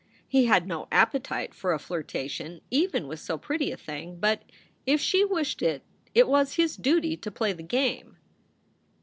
He had no appetite for a flirtation even with so pretty a thing, but if she wished it it was his duty to play the game.